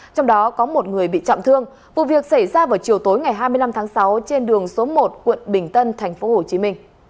trong đó có một người bị trọng thương vụ việc xảy ra vào chiều tối ngày hai mươi năm tháng sáu trên đường số một quận bình tân tp hcm